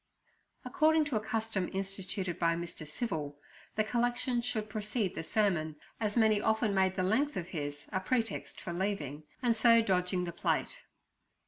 According to a custom instituted by Mr. Civil, the collection should precede the sermon, as many often made the length of his a pretext for leaving, and so dodging the plate.